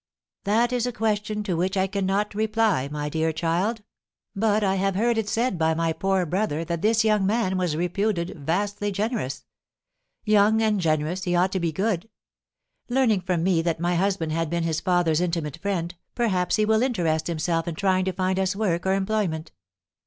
"That is a question to which I cannot reply, my dear child; but I have heard it said by my poor brother that this young man was reputed vastly generous. Young and generous, he ought to be good. Learning from me that my husband had been his father's intimate friend, perhaps he will interest himself in trying to find us work or employment.